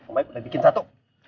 om baik udah bikin satu